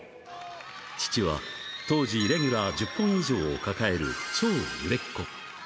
父は当時レギュラー１０本以上を抱える超売れっ子。